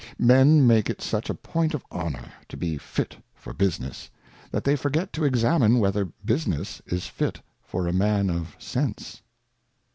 Men make it such a Point of Honour to be fit for Business, that they forget to examine whether Business is fit for a Man of Sense.